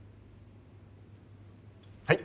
・はい。